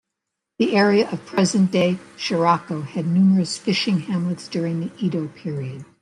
The area of present-day Shirako had numerous fishing hamlets during the Edo period.